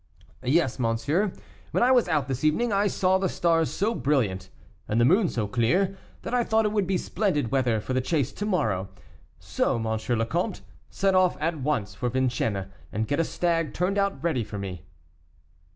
"Yes, monsieur; when I was out this evening, I saw the stars so brilliant, and the moon so clear, that I thought it would be splendid weather for the chase to morrow; so, M. le Comte, set off at once for Vincennes, and get a stag turned out ready for me."